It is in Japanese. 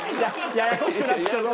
ややこしくなってきたぞ！